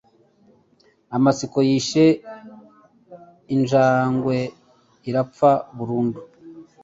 Amatsiko yishe injangwe irapfa burundu